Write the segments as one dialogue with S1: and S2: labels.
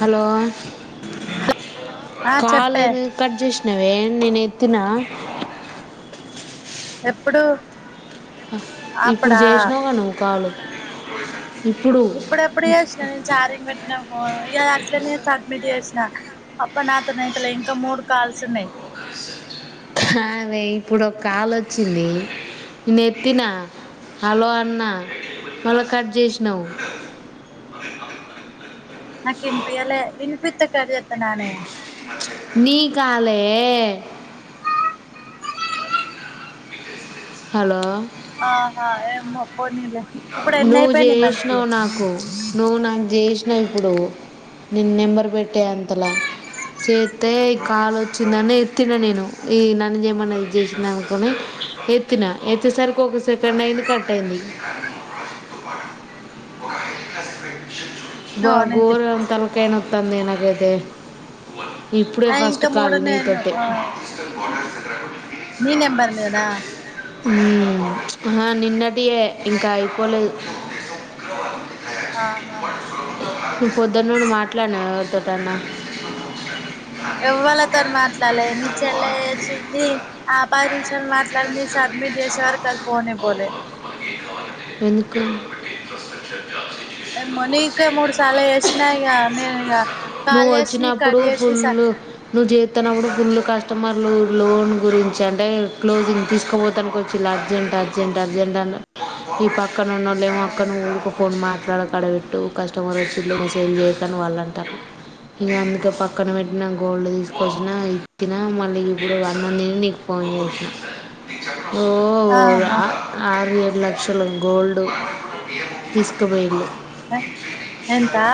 S1: Hello మే
S2: ఆ
S1: call
S2: చెప్పే
S1: ఎందుకు కట్ చేసిన నువ్వేం నేను ఎత్తినవ
S2: ఎప్పుడు
S1: ఇప్పుడు
S2: అప్పుడా
S1: చేసినావుగా నువ్వు కాలు. పోం
S2: ఇప్పుడెప్పుడు చేసినా నేను చారి పెట్టినా ఫోన్ ఇగ అట్లనే సబ్మిట్ చేసినా. అబ్బా నాతోని అయితలే ఇంకా మూడు కాల్స్ ఉన్నాయి.
S1: హా వే ఇప్పుడొక కాలు వచ్చింది. నేను ఎత్తిన హలో అన్న మళ్ళా కట్ చేసినావు.
S2: నాకు యిన్పియలే, వినిపిత్తే కట్ చేత్తనా నే.
S1: నీ కాలే హలో
S2: ఆ హా ఏమో పోనీలే ఇప్పుడు ఎన్ని
S1: నువ్వు
S2: అయిపోయినాయి మరి నీయి
S1: జేష్నావ్ నాకు నువ్వు నాకు చేసినావ్ ఇప్పుడు నేను నెంబర్ పెట్టే అంతలా చేత్తే కాల్ వచ్చిందని ఎత్తిన నేను యే నన్ను జేయమన్నది ఇది చేసింది అనుకోని ఎత్తినా ఎత్తేసరికి ఒక సెకండ్ అయింది కట్ అయింది. బ్బా
S2: నువ్వు నీది
S1: ఘోరం తలకాయ నొ తంది నాకైతే ఇప్పుడే
S2: నాయి
S1: ఫస్ట్
S2: ఇంకా
S1: కాల్
S2: మూడు నేను
S1: నీతోటే
S2: ఆ నీ నంబర్ మీదనా?
S1: అహా నిన్నటియ్యే ఇంకా అయిపోలేదు.
S2: ఆహా
S1: నువ్వు పొద్దున్నుండి మాట్లాడినావ ఎవరితోట్ క్కన
S2: ఎవ్వళ్ళతోని మాట్లాడలే మీ చెల్లె చేసింది ఆ పది నిమిషాలు మాట్లాడింది సబ్మిట్ చేసేవారకది పోనే పోలే.
S1: ఎందుకు?
S2: ఓ యమ్మో నీకే మూడు సాళ్ల చేసిన ఇగ నేను [unintelligible] చేసి
S1: నువ్వొచ్చినప్పుడు
S2: కట్ చేసి స
S1: ఫుల్లు నువ్వు చేత్తన్నప్పుడు పుల్లు కస్టమర్లు. లోన్ గురించి అంటే క్లోజింగ్ తీసుకపోతానికి వచ్చింది అర్జెంట్ అర్జెంట్ అర్జెంట్ అని. ఈ పక్
S2: ఆ
S1: క్కనున్నోలేమో అక్క నువ్వు ఊర్కే ఫోన్ మాట్ గాదక్క ఆడ పెట్టు కస్టమరు వచ్చిళ్ళు మెసేజ్ లు చేయకని వాళ్ళు అంటారు. ఇగా అందుకే పక్కన పెట్టిన గోల్డ్ తీసుకొచ్చిన ఇచ్చిన మళ్ళీ ఇప్పుడు అన్నం తిని నీకు ఫోన్ చేసినా. [unintelligible] పోరు
S2: ఆహా
S1: ఆర్ ఆరు ఏడు లక్షల గోల్ డు తీస్కపోయిండు.
S2: అ ఎంతా?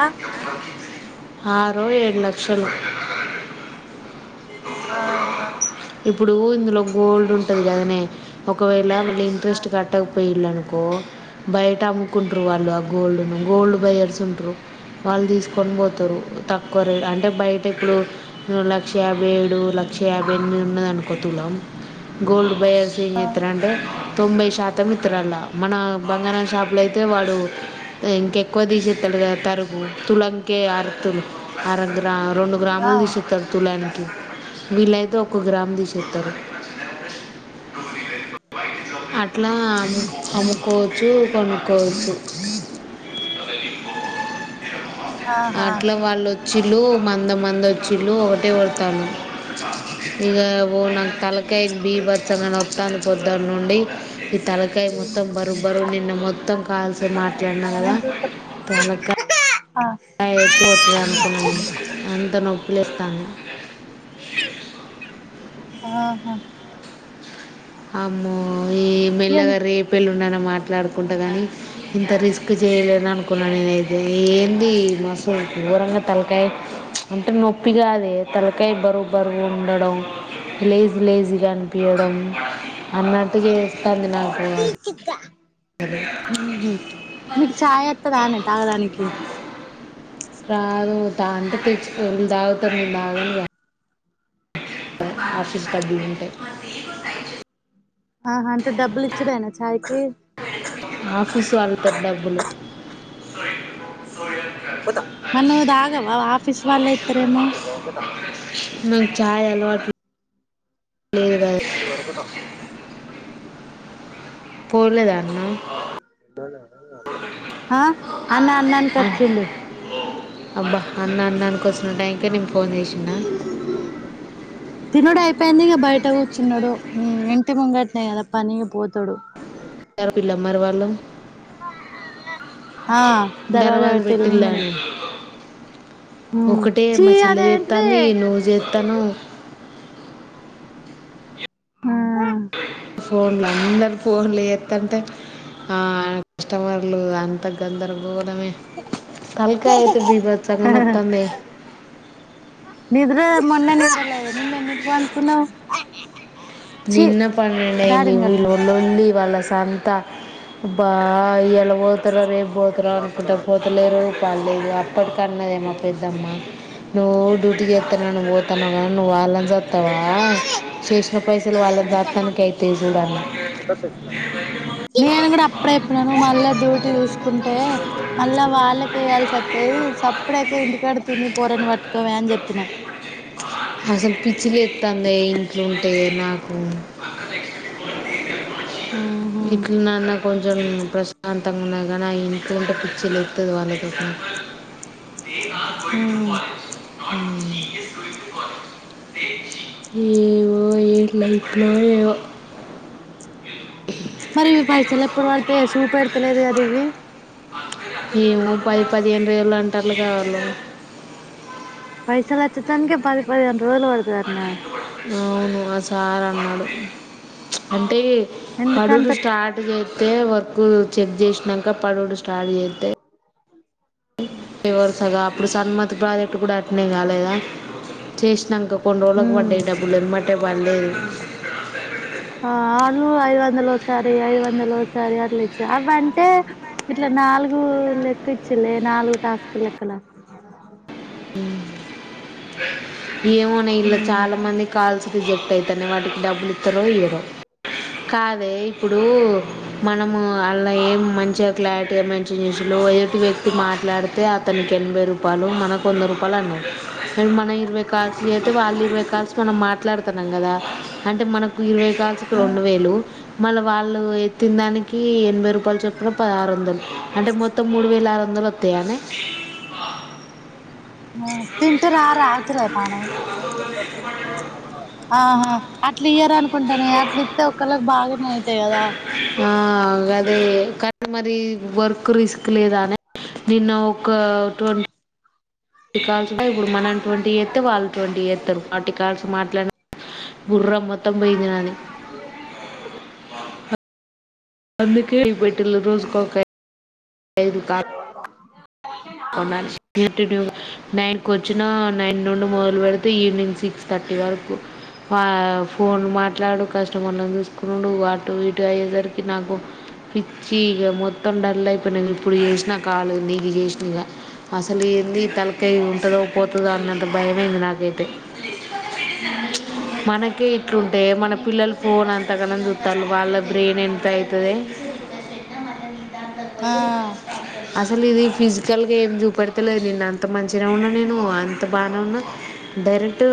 S1: ఆరో ఏడు లక్షలు
S2: ఆహ
S1: లో గోల్డ్ ఉంటది గదనే. ఒకవేళ మ నీ ఇంట్రెస్ట్ కట్టక పోయిల్లన్ కో బయట అమ్ముకుంటారు వాళ్ళు ఆ గోల్డు ను గోల్డ్ బయర్స్ ఉంట్రు వాళ్ళు తీసుకొని పోతారు. క్కువ రేట్ అంటే బయట ఇప్పుడు లక్ష యాభై ఏడు లక్ష యాభై ఎనిమిద ఉన్నది అనుకోతులం గోల్డ్ బయ్యర్స్ ఏం చేస్తారు అంటే తొంభై శాతం ఇతరలా మన బంగారంా షాపులో అయితే వాడు ఇంకెక్కువ తీసేస్తాడు కదా తరుగు తులంకే ఆర్ అరగ్రం రెండు
S2: ఆ
S1: గ్రామాలు తీసే తాడు తులానికి వీలైతే ఒక గ్రామ్ తేషత్తురు అట్లా అమ్ముకోవచ్చు కొనుకోవచ్చు
S2: ఆహా
S1: అట్లా వాళ్ళు ఓ ఆచిల్లు మంద మంద ఓచిల్లు ఒకటే పడతాను ఇక నాకు తలకాయ బీభత్సం నొతంది పొద్దాను నుండి తలకాయ మొత్తం బరు బరు నిన్న మొత్తం కాల్సి మాట్లాడినా కదా
S2: నేను చూస్తా
S1: తలకాయ
S2: ఆ
S1: అ కొతు అనుకున్నాను అంత నొప్పి లేస్తుంది [inaudible]
S2: ఆహా
S1: అమ్మో ఏ
S2: ఏంది
S1: మెల్లగా రేపుఎల్లుం అకుడానా మాట్లాడుకుంటా గానీ ఇంత రిస్క్ చేయలేన అనుకున్నాను నేనుైతే ఏంది మసులు దూరంగా తలకాయి అంటే నొప్పిగా అదే తలకై బరుబరు ఉండడం లేజీ లేజీగా అనిపింయడం అన్నటుగా త్తాదినకు ఆశ
S2: ఊహు మీకు చాయత్తద తానేే తగ్గడానికి
S1: రాదు దా అంటే తే ఉండావుతంది [inaudible] ఆఫీస్ కది ఉంట
S2: ఆహా అంటే డబ్బులు ఇచ్చడేనా చైకి
S1: ఆఫీసు అలుత డబ్బులు
S2: పోత మరీ ను తగవా ఆఫీస్ వాళ్ళ ఇస్తారేమో
S1: నాకు చాయ అలవాటు లే
S2: అది వేరపట్టా
S1: పోలేదా అన్న
S2: ఆ అన్న అన్నాన్ కచ్చిండు
S1: అబ్బా అన్నా అన్నానీ కు వస్తుిన టైంకే నేను ఫోన్ చేసిన
S2: చిున్నాడు ఉ ఇంటి ముంగట్నా కదా పని ఇంగ పోతాడు
S1: ారు పిల్లమ్మరి వాళ్ళం
S2: ఆ దర్వాజా
S1: దర్వాజ
S2: వట్టేల
S1: పెట్టిల్లా
S2: నిందనే
S1: అని ఒకటే మా చిల్ల
S2: అదేంటిది
S1: చేస్తాంది నువ్వు చేస్తాను
S2: హ
S1: ఫోన్లు అందరు ఫోన్లు ఎస్తంటే ఆ కస్టమర్లు అంత గందరం బీభత్సంగా నొత్తుంది
S2: నద్ర మొన్న నిదల నిన్నెన్ని ఇట్కు అంతకున్నావవు ఆ
S1: నిన్న పన్నెండు అయింది
S2: కట్టు
S1: వీళ్ళ లోంది వాళ సంత బా ఎల పోతార రేపు పోతార అనుకుంటా పోతలేరు పాలలేదు అప్పటికి కద మం పెద్దమ్మ నువ్వు డ్యూటీకిేస్తన్నా నువ్ పోతాన్నావా నువ్వుళ్ళ జావా శేష ర పై
S2: చెప్పినను మళ్ళా డ్యూటీ చూసుకుంటే మళ్ళా వాళ్ళక వేయాల్సి వస్తంది సప్పుడక ఇంటికాడ తిని పోరను పట్టుకోవ అని చెప్పిన
S1: అసలు పిచ్చిలు ఎస్తుంది ఇంట్లో ఉంటే నాకు
S2: ఉహు
S1: ఇట్లనన్న కొంచెం ప్రశాంతంగా ఉన్నాయి కానీ ఆ ఇంట్లోంటే పిచ్చి లేకుతుంది వాళ్ళతో
S2: ఉమ్
S1: ఏవో ఏలైట్లో
S2: మరి ఇ పైసలు ఎప్పుడు పడితే సూప పెడతలేదు అ దేవి
S1: మేముో పది పదిహేను వేలు అంటారులు కావాాల
S2: పైసాలు వచ్చ తన్క పది పదింత రోల వాదు వారున్న
S1: చార్ా అన్నాడు అంటే హడుడు
S2: ఎందుకంత
S1: స్టార్ట్ అయితే వ కు చెక్ చేసినాక పడడు స్డి అతే ఫవర్సగా అప్పుడు సన్మతి ప్రాజెక్ట్ కూడా అటనే కాలేదా చేసినాక కొన్ని రోజులకు
S2: ఉమ్
S1: పడ్యిడబ్ులుమ్మంటే వాళ్ళు అ
S2: ఆ వాళ్ళు ఐదు వందలసారి ఐదు వందలసారి అట్లు ఇచ్చ అవంటే ఇట్లా నాలుగు లెక్క ఇచ్చిలే నాలుగు టాస్క్ లెక్కలు
S1: ఏమోన్నా ఇల్లా చాలా మంది కాల్స్ రిజెక్ట్ అయితన్న వాటికి డబ్బులు ఇస్తరో ఇయరో కాదు అదే ఇప్పుడు మనము మళ్ళ ఎం మంచి గా క్లారిటీ గా మెన్షన్ చేసిండు ఎక్కువ ఎక్కువ మాట్లాడితే అతనికి ఎనభై రూపాయలు మనకి వుంది రూపాయలు అన్నట్టు మనం ఇరవై కాల్స్ చేస్తే వాళ్ళు ఇరవై కాల్స్ మనం మాట్లాడతాం న్నాం కదా అంటే మనకు ఇరవై దాచుకో
S2: ఆ
S1: యలు వాళ్ళు ఎత్తిన దానికి ఎనభై రూపాయలు చొప్పున పదహరు వందలు అంటే మొత్తం మూడు వేల ఆరు వందలు వతయానే
S2: తింటూ రా ఆ రావతు పణ ఆహా అ ఇట్ల ఇయర్ అనుకుంటానే అట్లా ఇస్తే ఒకళ్ళకి బాగానే అయితాయి కదా
S1: అదే కానీ మరి వర్క్ రిస్క్ లేదా నే నిన్న ఒక ట్వంటీ కాల్ ఇప్పుడు మనం ట్వంటీచెతే వాళ్ళు ట్వంటీచేస్తారు ఆటి కాల్స్ మాట్లాడి న గుర్రం మొత్తం పోయింది నాది అందుకే అయ్యి పెట్టీల రోజు కోక ఐటమ్ ఏ దుకాం [unintelligible] అవునా సెక్యూరిటీ డూ నైన్కి వచ్చినా నైన్ నుండి మొదలు పెడితే ఈవినింగ్ సిక్స్ థర్టీ వరకు ఫోన్ మాట్లాడు కస్టమర్ ని చూసుకునుడు వాటు ఇటు అయ్యేసరికి నాకు పిచ్చి ఇక మొత్తం డల్ అయిపోయినాను ఇప్పుడు చేసి నా కాలు నీకు చేసిన ఇక అసలు ఏంది తలకాయి ఉంటదో పోతదో అన్నంత భయమైంది నాకు అయితే మనకే ఇట్లుంటే మన పిల్లల ఫోన్ అంత లంత చుస్తండ్రు వాళ్ళ బ్రెయిన్ ఎంత అయితది
S2: ఆ
S1: అసలు ఇది ఫిజ అ ఏం చూపెడతలేదు నిేన్న అంత మంచిగా ఉన్నా నేను అంత బాగానే ఉన్నా డైరెక్ట్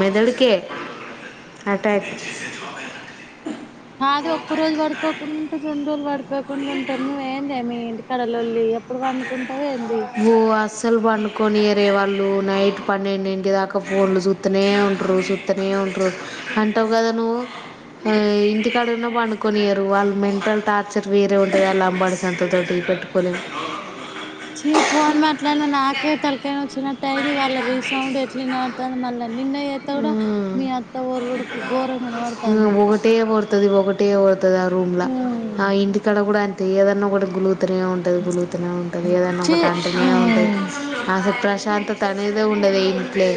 S1: మెదడుకే అటాక్
S2: కాదు ఒక్క రోజు పడుకో ఉంటే రో వా [unintelligible] [unintelligible] తప్పకుండాఉంటాను నువ్వు ఏందే మీ ఎక్కడ లోల్లి
S1: భో అస్సలు పండుకొనియరే వాళ్ళు రూ నైట్ పన్నెండు ఇంటి దాకా ఫోన్ లు చూస్తానే ఉంటరు చూస్తానే ఉంటరు అంటావు కదా నువ్వు ఇంటి కాడ ఉన్న పండుకోనియ్యరు వాళ్ళు మెంటల్ టార్చర్ వేరే ఉంటది వాళ్ళ వాడి సంతతోటి పెట్టుకొలేము
S2: చి ఫోన్ మాట్లాడి న నాకే తలకాయనోచ్చినట్టు అయింది వాళ్ళ రీసౌండ్ ఎట్ల వినడతుంది మళ్ళ నిన్న మీ అత్త కూడా మీ అత్త ఎవర గోరం
S1: పోటయే పోతది పోట [unintelligible] ంట కదా రూమ్ల ఆ ఇంటి కాడ కూడా అం తె ఏదన్న కూడా గులు అతూనే ఉంటది గులుతూనే ఉంటంది ఏదన్న
S2: ఛీ
S1: ఒకటి అంటనే ఉంటుంది అస ప్రశ్ ప్రశాంతంతా అనేద ఉండదు ఈ ఇంట్లే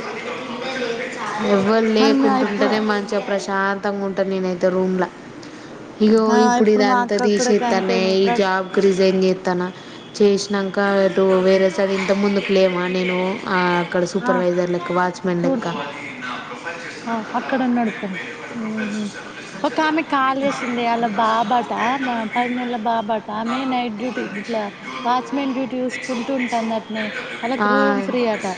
S1: ఎవ్వరు
S2: మరి మా ఇప్పుడు
S1: లేకుంటుంటేనే మంచిగా ప్రశ్ శాంతంగా ఉంటాను నేనైతే రూమ్లా ఇగో
S2: ఆ
S1: ఇప్పుడు ఎది
S2: మా
S1: అంత
S2: అక్క కూడా
S1: తీసేతనై
S2: గంతేనే
S1: ఈ
S2: ప్రస్
S1: జాబ్ కి రిజైన్ చె తనా చేసినంకా డో వేరే సారి ఇంత ముందు లేమా నేను ఆ ఇక్కడ
S2: ఆ
S1: సూపర్వైజర్ లెక్క వాచ్మెన్
S2: చూడు
S1: లెక్క
S2: పో హ్మ్ హు ఓ కామీట్ కాల్ చేసింది వాళ్ళ బాబట పది నెల్లా బాబా ఆమె నైట్ డ్యూటీ ఇట్లా వాచ్మెన్ డ్యూటీ చూసుకుంటూ ఉంటన్నర్ నే వాళ్ళకి
S1: ఆ.
S2: రూమ్ ఫ్రీ అటా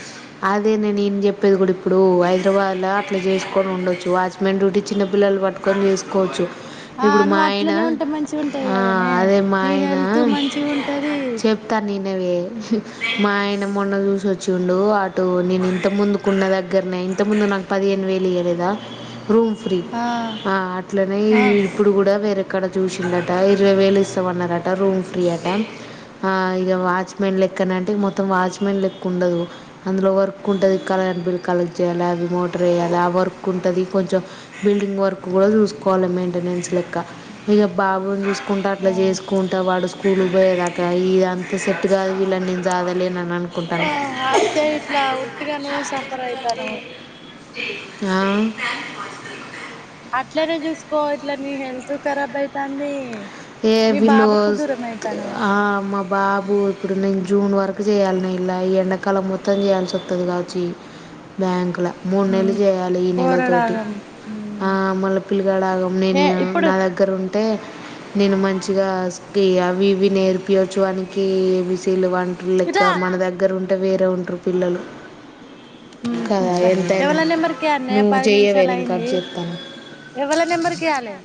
S1: అదే నేను ఏం చెప్పేది కూడా ఇప్పుడు హైదరాబాద్లో అట్లా చేసుకొని ఉండొచ్చు వాచ్మెన్ డ్యూటీ ట చిన్న పిల్లలు పట్టుకని చేసుకోవచ్చు
S2: ఆ
S1: ఇప్పుడు మా
S2: నువ్వు
S1: ఆయన
S2: అట్లనే ఉంటే మంచిగా ఉంటది
S1: ఆ
S2: కదనే
S1: అదే మా
S2: నీ
S1: ఆయన
S2: హెల్త్ మంచిగా ఉంటది
S1: చెప్తాను నేను ఇనవే మా ఆయ నిన్న మొన్న చూసోచ్చిండు అటు నేను ఇంత ముందుకున్న దగ్గరనే ఇంత ముందు నాకు పదిహేను వేలు ఇవ్వలేదా రూమ్ ఫ్రీ ఆ అట్లనే
S2: ఆ
S1: ఇప్పుడు కూడా వేరే అక్కడ చూసిండట ఇరవై వేలు ఇస్తామన్నారట రూమ్ ఫ్రీ అట ఇగ వాచ్మెన్ లెక్కన అంటే మొ మొత్తం వాచ్మెన్ లెక్క ఉండదు అందులో వర్క్ ఉంటుంది కలర్ బిల్ కలెక్ట్ చేయాలి అది మోటర్ వేయాలి ఆ వర్క్ ఉంటుంది కొంచెం బిల్డింగ్ వర్క్ కూడా చూసుకోవాలి మెయింటెనెన్స్ లె కా ఇగ బాబుని చూసుకుంటా అట్లా చేసుకుంటా వాడు స్కూల్ పోయేదాకా ఇదంత సెట్ కాదు వీళ్ళని నేను జాదన్
S2: ఆ అక్కే ఇట్లా ఒట్టిగా నువ్వు సఫర్ అయితనవ్
S1: ఆ
S2: అట్లనే చూసుకో ఇట్ల నీ హెల్త్ ఖరాబ్ అయితాంది
S1: ఏ
S2: మీ
S1: వీళ్ళు
S2: బాబుకు
S1: స్
S2: దూరం అయితానవు
S1: ఆ మ బాబు ఇప్పుడు నేను జూన్ వరకు చేయాలనే ఇలా ఎండాకాలం మొత్తం చేయాల్సి వస్తుంది కావచ్చు బ్యాంకులో మూడు నెలలు చేయాలి ఈ నెల తోటి
S2: పోరడాగం
S1: మళ్ళీ పిల్లగడ ఆగం
S2: ఏ
S1: నేను
S2: ఇప్పుడు
S1: నా దగ్గర ఉం తే నేను మంచిగా స్కిలి అవి ఇవి నేర్పియచ్చు వానికి ఎ బి సీ లు వన్
S2: ఇట్రా
S1: [unintelligible] మన దగ్గర ఉం అంత ఏం వేరే ఉంట్రు పిల్లలు కదా ఎంతైనా
S2: ఎవళ నెంబర్కియేయాలనే
S1: నువ్వు
S2: పది
S1: చేయవే
S2: నిమిషాలు
S1: నేను కట్
S2: అయింది
S1: చేస్తాను
S2: ఎవళ నెంబర్కియేయలే